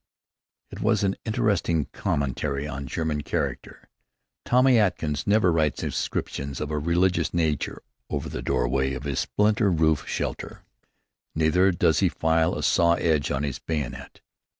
_" It was an interesting commentary on German character. Tommy Atkins never writes inscriptions of a religious nature over the doorway of his splinter roof shelter. Neither does he file a saw edge on his bayonet.